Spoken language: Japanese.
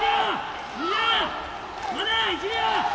まだ１秒！